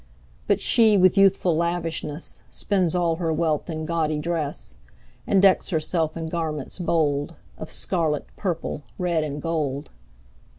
But she, with youthful lavishness, Spends all her wealth in gaudy dress, And decks herself in garments bold Of scarlet, purple, red, and gold.